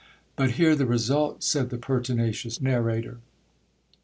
'But hear the result,' said the pertinacious narrator.